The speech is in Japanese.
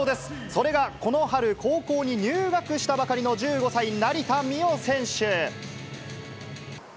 それがこの春、高校に入学したばかりの１５歳、成田実生選手。